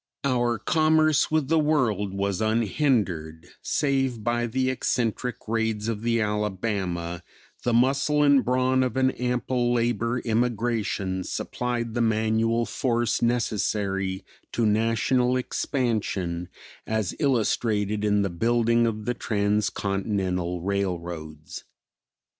Our commerce with the world was unhindered, save by the eccentric raids of the Alabama; the muscle and brawn of an ample labor immigration supplied the manual force necessary to national expansion; as illustrated in the building of the trans continental railroads.